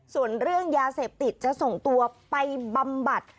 ส่วนเรื่องยาเสพติดจะส่งตัวไปบำบัด